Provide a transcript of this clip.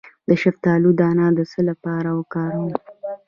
د شفتالو دانه د څه لپاره وکاروم؟